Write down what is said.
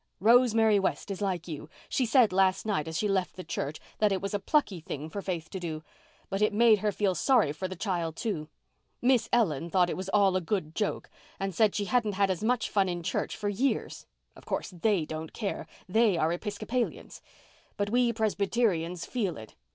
Rosemary West is like you—she said last night as she left the church that it was a plucky thing for Faith to do, but it made her feel sorry for the child, too. Miss Ellen thought it all a good joke, and said she hadn't had as much fun in church for years. Of course they don't care—they are Episcopalians. But we Presbyterians feel it.